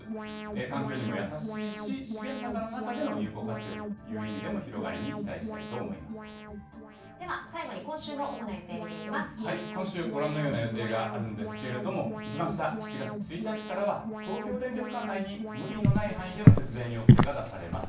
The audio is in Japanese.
環境にも優しいし、資源高の中での有効活用という意味でも、広がりに期待したいと思では最後に今週の主な予定見今週、ご覧のような予定があるんですけれども、一番下、７月１日からは東京電力管内に、無理のない範囲での節電要請が出されます。